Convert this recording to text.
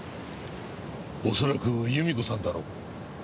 恐らく由美子さんだろう。